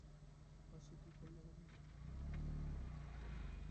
আজ সেটি করলে হবে না।